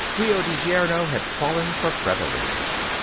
Rio de Janeiro had fallen for Featherlooms.